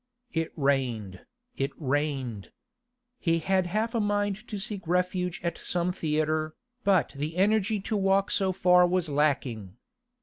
It rained, it rained. He had half a mind to seek refuge at some theatre, but the energy to walk so far was lacking.